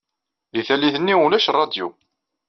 Deg tallit-nni ulac rradyu.